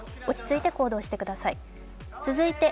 落ち着いて行動してください。